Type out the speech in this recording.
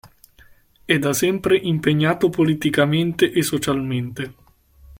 È da sempre impegnato politicamente e socialmente.